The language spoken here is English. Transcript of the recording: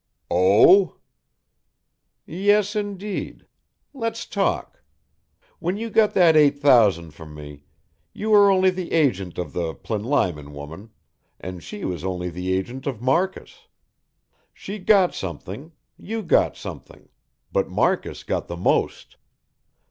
"Oh!" "Yes, indeed. Let's talk. When you got that eight thousand from me, you were only the agent of the Plinlimon woman, and she was only the agent of Marcus. She got something, you got something, but Marcus got the most.